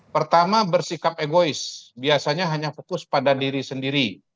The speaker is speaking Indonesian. pertama bersikap egois biasanya hanya fokus pada diri sendiri